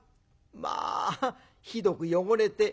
まあひどく汚れて。